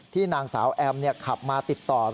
ที่นางสาวแอมเข็มมาติดต่อราชการที่สหาย